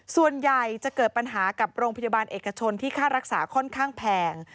ส่วนใหญ่จะเกิดปัญหากับโรงพยาบาลเอกชนที่ค่ารักษาค่อนข้างแพง